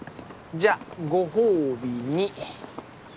じゃご褒美に。